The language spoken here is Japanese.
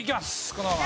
このまま。